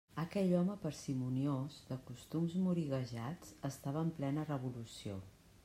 Aquell home parsimoniós, de costums morigerats, estava en plena revolució.